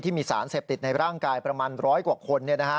มีสารเสพติดในร่างกายประมาณร้อยกว่าคน